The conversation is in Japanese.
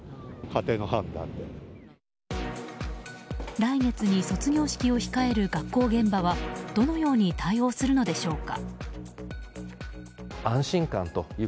来月に卒業式を控える学校現場はどのように対応するのでしょうか。